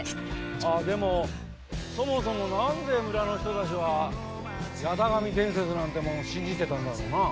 あっでもそもそもなんで村の人たちは八咫神伝説なんてもんを信じてたんだろうな？